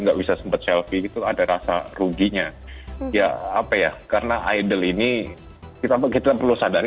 nggak bisa sempat selfie gitu ada rasa ruginya ya apa ya karena idol ini kita perlu sadari